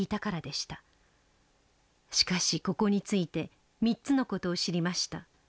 しかしここに着いて３つの事を知りました。